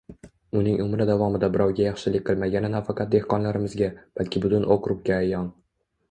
Uning umri davomida birovga yaxshilik qilmagani nafaqat dehqonlarimizga, balki butun okrugga ayon